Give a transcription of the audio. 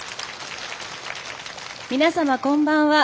皆様こんばんは。